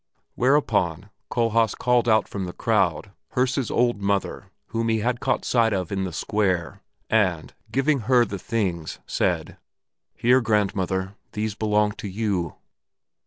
Whereupon Kohlhaas called out from the crowd Herse's old mother, whom he had caught sight of in the square, and, giving her the things, said, "Here, grandmother, these belong to you!"